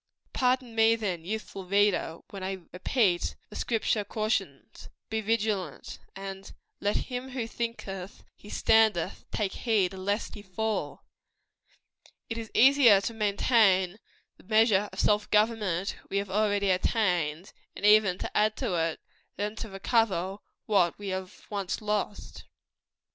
Pardon me, then, youthful reader, when I repeat the Scripture cautions "Be vigilant;" and "Let him who thinketh he standeth, take heed lest he fall." It is easier to maintain the measure of self government we have already attained, and even to add to it, than to recover what we have once lost.